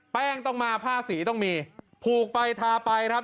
ต้องมาผ้าสีต้องมีผูกไปทาไปครับ